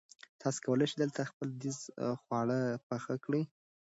تاسي کولای شئ دلته خپل دودیز خواړه پخ کړي.